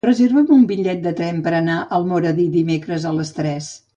Reserva'm un bitllet de tren per anar a Almoradí dimecres a les tres.